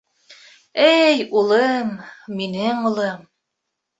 — Эй, улым, минең улым!